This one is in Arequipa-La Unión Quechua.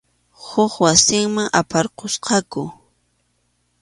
Huk wasiman aparqusqaku.